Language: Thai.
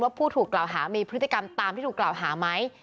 ผู้ถูกกล่าวหามีพฤติกรรมตามที่ถูกกล่าวหาไหม